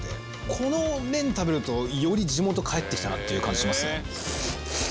この麺食べるとより地元帰ってきたなって感じしますね。